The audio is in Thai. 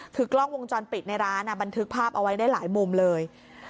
คือกล้องวงจรปิดในร้านบันทึกภาพเอาไว้ได้หลายมุมเลย